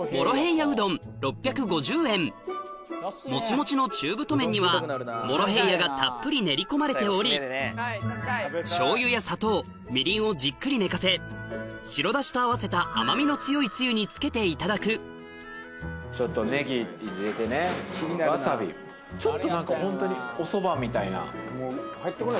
もちもちの中太麺にはモロヘイヤがたっぷり練り込まれておりしょうゆや砂糖みりんをじっくり寝かせ白だしと合わせた甘みの強いつゆにつけていただくちょっと何かホントに。